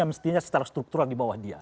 mestinya secara struktural di bawah dia